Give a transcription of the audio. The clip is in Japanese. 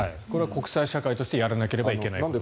これは国際社会としてやらないといけない。